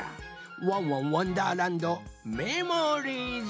「ワンワンわんだーらんどメモリーズ」。